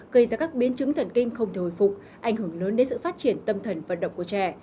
gây ra các biến chứng thần kinh không thổi phục ảnh hưởng lớn đến sự phát triển tâm thần vận động của trẻ